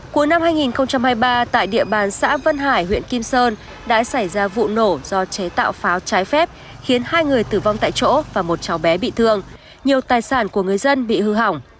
cuối năm hai nghìn hai mươi ba tại địa bàn xã vân hải huyện kim sơn đã xảy ra vụ nổ do chế tạo pháo trái phép khiến hai người tử vong tại chỗ và một cháu bé bị thương nhiều tài sản của người dân bị hư hỏng